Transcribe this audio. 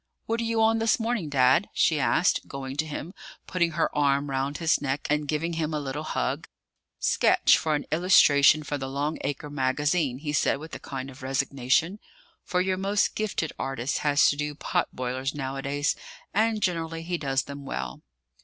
What are you on this morning, Dad?" she asked, going to him, putting her arm round his neck, and giving him a little hug. "Sketch for an illustration for the Long Acre Magazine," he said, with a kind of resignation; for your most gifted artist has to do pot boilers nowadays: and generally he does them well.